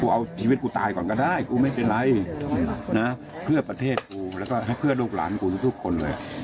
เอาชีวิตกูตายก่อนก็ได้กูไม่เป็นไรนะเพื่อประเทศกูแล้วก็ให้เพื่อลูกหลานกูทุกคนเลย